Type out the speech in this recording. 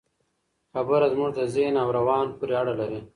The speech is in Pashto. خبره زموږ د ذهن او روان پورې اړه لري.